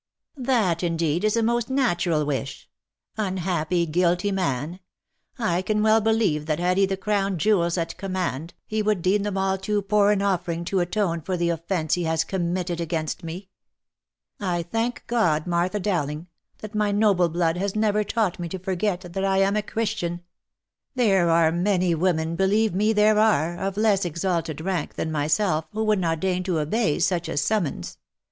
" That indeed is a most natural wish ! Unhappy, guilty man ! I can well believe that had he the crown jewels at command, he would deem them all too poor an offering to atone for the offence he has com mitted against me ! I thank God, Martha Dowling, that my noble blood has never taught me to forget that I am a Christian ! There are many women, believe me there are, of less exalted rank than my self, who would not deign to obey such a summons.